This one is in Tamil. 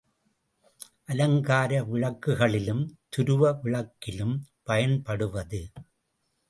அலங்கார விளக்குகளிலும், துருவு விளக்கிலும் பயன்படுவது.